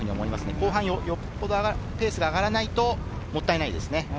後半よほどペースが上がらないと、もったいないですね。